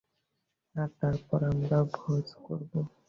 আর তারপর আমরা ভোজ করবো!